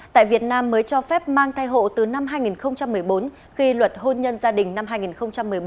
tại việt nam mới cho phép mang thai hộ từ năm hai nghìn một mươi bốn khi luật hôn nhân gia đình năm hai nghìn một mươi bốn